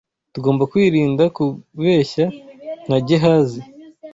tugomba kwirinda kubeshya nka Gehazi